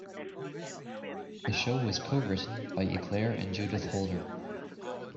The show was co-written by Eclair and Judith Holder.